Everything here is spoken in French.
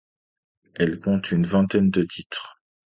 Elle compte une vingtaine de titres.